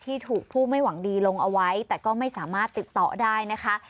ที่ถูกผู้ไม่หวังดีลงเอาไว้แต่ก็ไม่สามารถติดต่อได้นะคะ